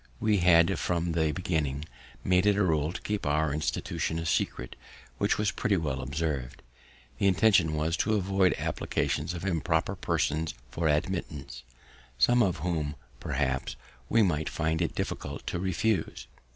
We had from the beginning made it a rule to keep our institution a secret, which was pretty well observ'd; the intention was to avoid applications of improper persons for admittance, some of whom, perhaps, we might find it difficult to refuse.